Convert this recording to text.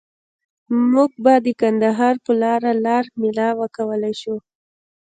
مونږ به د کندهار په لاره لار میله وکولای شو.